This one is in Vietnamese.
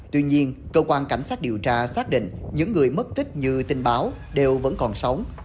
tuy nhiên cơ quan cảnh sát điều tra xác định những người mất tích như tin báo đều vẫn còn sống